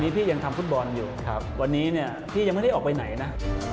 พี่ยังไม่ได้ออกไปไหนนะ